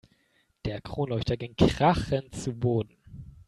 Der Kronleuchter ging krachend zu Boden.